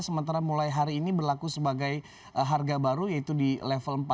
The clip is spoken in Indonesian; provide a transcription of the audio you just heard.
sementara mulai hari ini berlaku sebagai harga baru yaitu di level empat